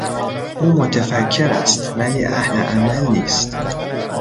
او متفکر است ولی اهل عمل نیست.